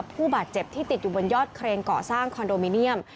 ผู้บาดเจ็บที่ติดอยู่บนยอดเครนเกาะสร้างคอนโดมิเนียม